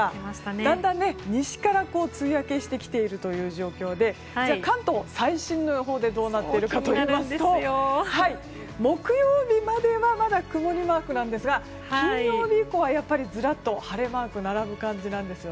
だんだん西から梅雨明けしてきている状況で関東最新の予報でどうなっているかといいますと木曜日まではまだ曇りマークなんですが金曜日以降はずらっと晴れマークが並ぶ感じです。